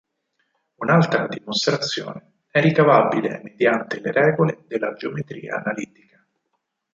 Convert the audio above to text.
Un'altra dimostrazione è ricavabile mediante le regole della geometria analitica.